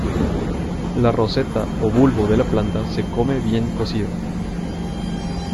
La roseta o bulbo de la planta se come, bien cocida.